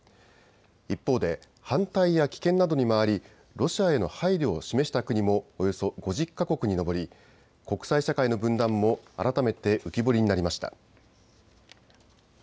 一方で反対や棄権などに回りロシアへの配慮を示した国もおよそ５０か国に上り国際社会の分断も改めて浮き彫りになりました。